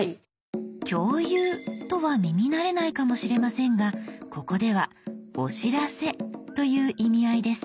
「共有」とは耳慣れないかもしれませんがここでは「お知らせ」という意味合いです。